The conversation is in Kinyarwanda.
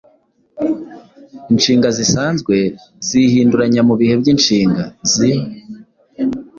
Inshinga zisanzwe zihinduranya mu bihe by’inshinga, z